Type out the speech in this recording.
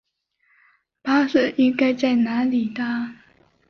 巴士应该在哪里搭？